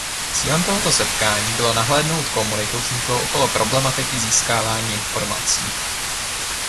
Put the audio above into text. Cílem tohoto setkání bylo nahlédnout komunitu vzniklou okolo problematiky získávání informací.